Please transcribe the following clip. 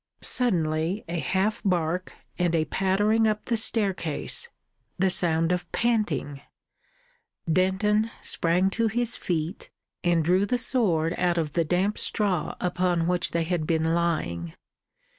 Suddenly a half bark and a pattering up the staircase; the sound of panting. Denton sprang to his feet and drew the sword out of the damp straw upon which they had been lying.